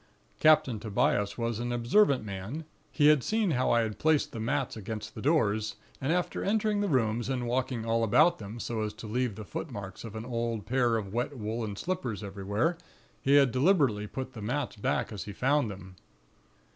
"Captain Tobias was an observant man; he had seen how I had placed the mats against the doors; and after entering the rooms, and walking all about them, so as to leave the foot marks of an old pair of wet woollen slippers everywhere, he had deliberately put the mats back as he found them.